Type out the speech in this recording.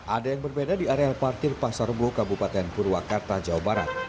ada yang berbeda di areal parkir pasar rebo kabupaten purwakarta jawa barat